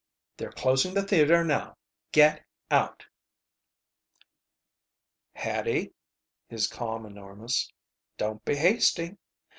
They're closing the theater now. Get out!" "Hattie," his calm enormous, "don't be hasty.